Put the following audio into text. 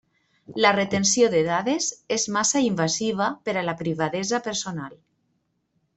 La retenció de dades és massa invasiva per a la privadesa personal.